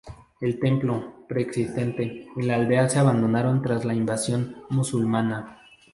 El templo, preexistente, y la aldea se abandonaron tras la invasión musulmana.